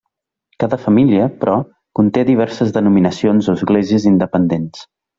Cada família, però, conté diverses denominacions o esglésies independents.